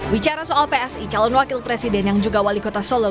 bicara soal psi calon wakil presiden yang juga wali kota solo